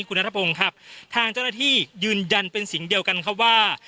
คุณนัทพงศ์ครับทางเจ้าหน้าที่ยืนยันเป็นเสียงเดียวกันครับว่า